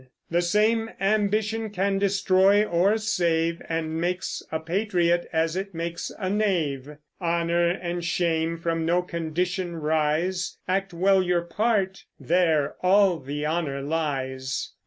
The same ambition can destroy or save, And makes a patriot as it makes a knave. Honor and shame from no condition rise; Act well your part, there all the honor lies.